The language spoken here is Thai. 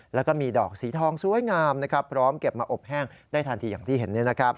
แล้วก็มีดอกสีทองสวยงามพร้อมเก็บมาอบแห้งได้ทันทีอย่างที่เห็น